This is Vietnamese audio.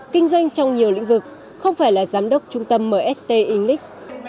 kinh doanh trong nhiều lĩnh vực không phải là giám đốc trung tâm mst engex